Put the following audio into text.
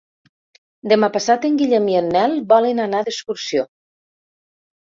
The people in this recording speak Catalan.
Demà passat en Guillem i en Nel volen anar d'excursió.